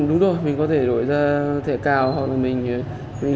ừ đúng rồi mình có thể đổi ra thẻ cao hoặc là mình liên hệ